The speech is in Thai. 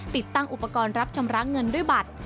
ติดตั้งอุปกรณ์รับชำระเงินด้วยบัตร